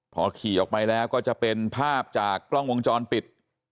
พอขี่ออกไปแล้วก็จะเป็นภาพจากกล้องวงจรปิด